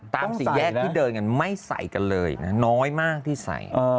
สี่แยกที่เดินกันไม่ใส่กันเลยนะน้อยมากที่ใส่